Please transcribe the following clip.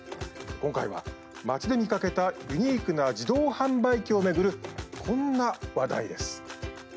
今回は、街で見かけたユニークな自動販売機を巡るこんな話題です。